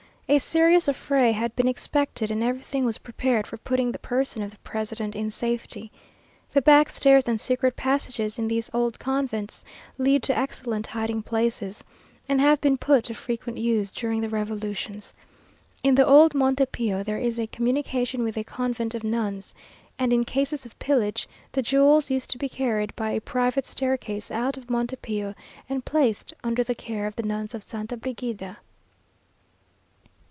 A serious affray had been expected, and everything was prepared for putting the person of the president in safety. The back stairs and secret passages in these old convents lead to excellent hiding places, and have been put to frequent use during the revolutions. In the old Monte Pio there is a communication with a convent of nuns, and in cases of pillage, the jewels used to be carried by a private staircase out of Monte Pio, and placed under the care of the nuns of Santa Brigida.